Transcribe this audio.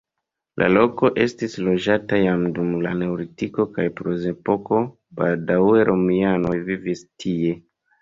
La loko estis loĝata jam dum la neolitiko kaj bronzepoko, baldaŭe romianoj vivis tie.